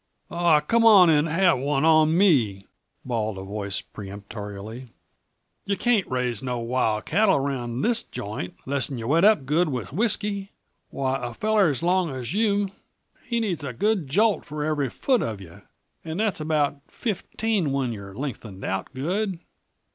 "Aw, come on an' have one on me!" bawled a voice peremptorily. "Yuh can't raise no wild cattle around this joint, lessen yuh wet up good with whisky. Why, a feller as long as you be needs a good jolt for every foot of yuh and that's about fifteen when you're lengthened out good.